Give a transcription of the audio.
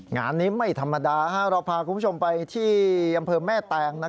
งานนี้ไม่ธรรมดาเราพาคุณผู้ชมไปที่อำเภอแม่แตง